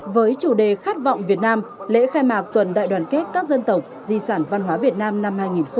với chủ đề khát vọng việt nam lễ khai mạc tuần đại đoàn kết các dân tộc di sản văn hóa việt nam năm hai nghìn một mươi chín